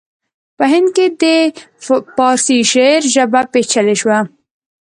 په هند کې د پارسي شعر ژبه پیچلې شوه